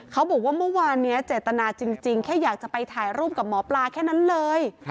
เขาบอกว่าเมื่อวานนี้เจตนาจริงแค่อยากจะไปถ่ายรูปกับหมอปลาแค่นั้นเลย